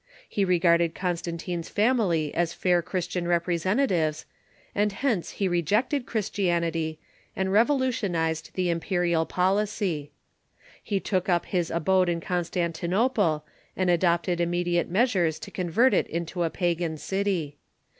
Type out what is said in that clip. He regarded Constan tine's family as fair Christian representatives, and hence be rejected Christianity, and revolutionized tbe imperial policy. He took up his abode in Constantinople, and adopted imme diate measures to convert it into a pagan city.